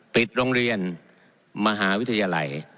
ปิดโรงเรียนมหาวิทยาลัย